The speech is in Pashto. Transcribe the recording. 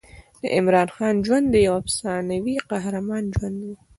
د عمراخان ژوند د یوه افسانوي قهرمان ژوند و.